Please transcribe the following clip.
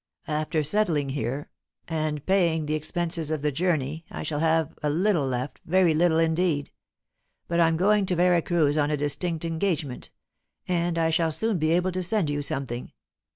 "After settling here, and paying the expenses of the journey, I shall have a little left, very little indeed. But I'm going to Vera Cruz on a distinct engagement, and I shall soon be able to send you something.